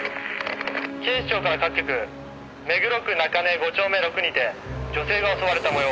「警視庁から各局」「目黒区中根５丁目６にて女性が襲われた模様」